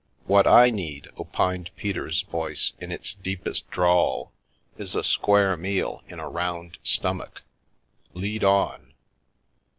" What I need," opined Peter's voice, in its deepest drawl, " is a square meal in a round stomach. Lead on."